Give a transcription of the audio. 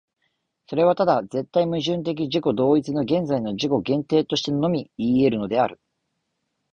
それはただ絶対矛盾的自己同一の現在の自己限定としてのみいい得るのである。